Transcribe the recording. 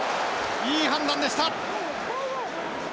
いい判断でした。